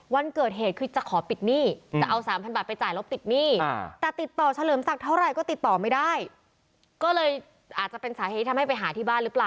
วันเกิดเหตุคือจะขอปิดหนี้